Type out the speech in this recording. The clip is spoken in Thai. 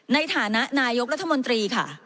ในฐานะนายกรัฐมนตรีค่ะ